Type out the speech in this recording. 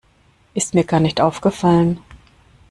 Ist mir gar nicht aufgefallen.